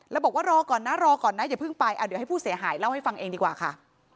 แล้วบอกว่ารอก่อนนะรอก่อนนะอย่าเพิ่งไปเดี๋ยวให้ผู้เสียหายเล่าให้ฟังเองดีกว่าค่ะ